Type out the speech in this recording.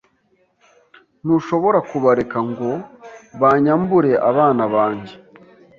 Ntushobora kubareka ngo banyambure abana banjye.